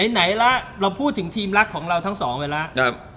ไหนล่ะเราพูดถึงทีมรักของเราทั้งสองไปแล้ว